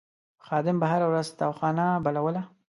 خادم به هره ورځ تاوخانه بلوله.